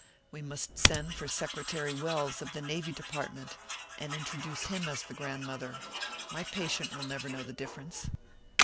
We must send for Secretary Welles of the Navy Department, and introduce him as the grandmother. My patient will never know the difference."